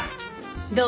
どう？